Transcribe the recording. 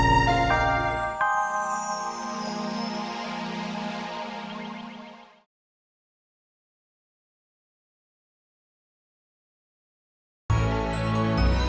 sampai jumpa lagi